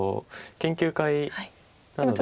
研究会などで。